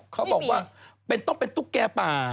เขาบอกว่าต้องเป็นตุ๊กแก่ป่า